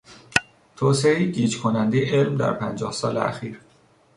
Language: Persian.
توسعهی گیج کنندهی علم در پنجاه سال اخیر